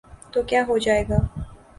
تو کیا ہوجائے گا۔